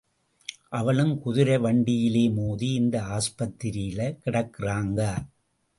அவளும் குதிரை வண்டியிலமோதி, இந்த ஆஸ்பத்திரியில கிடக்குறாங்க!